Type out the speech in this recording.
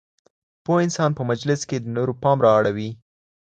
پوه انسان په مجلس کي د نورو پام رااړوي.